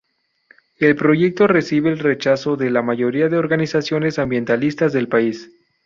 El proyecto recibe el rechazo de la mayoría de organizaciones ambientalistas del país.